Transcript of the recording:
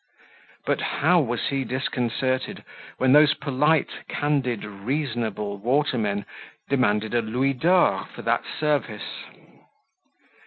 But how was he disconcerted, when those polite, candid, reasonable watermen demanded a louis d'or for that service!